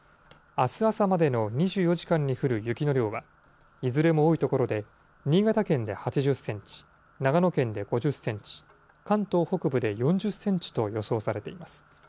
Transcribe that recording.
あす朝までの２４時間に降る雪の量は、いずれも多い所で新潟県で８０センチ、長野県で５０センチ、関東北部で４０センチと予想されています。